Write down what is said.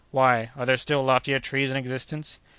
"Why, are there still loftier trees in existence?"